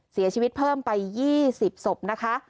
เสียชีวิตเพิ่มไป๒๐ศพนะคะ